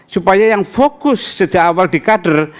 supaya yang fokus sejak awal di kader